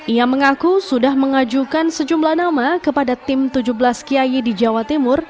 ia mengaku sudah mengajukan sejumlah nama kepada tim tujuh belas kiai di jawa timur